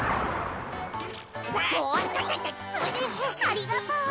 ありがとう。